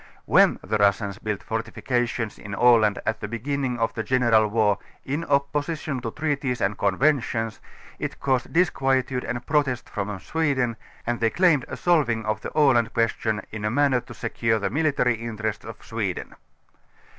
When the Russians built fortifications in Aland at the beginnig of the general war, in opposition to treaties and conventions, it caused disquietude and jjrotests from Sweden and thej' claimed a solving of the Aland question in a manner to secure the militarj^ interests of Sweden.